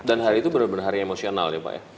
dan hari itu benar benar emosional pak